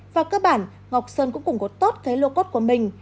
và cơ bản ngọc sơn cũng cũng có tốt cái lô cốt của mình